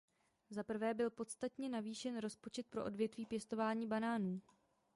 Zaprvé byl podstatně navýšen rozpočet pro odvětví pěstování banánů.